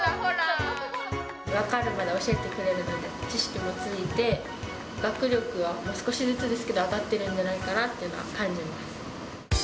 分かるまで教えてくれるので、知識もついて、学力も少しずつですけど、上がってるんじゃないかなっていうのは感じます。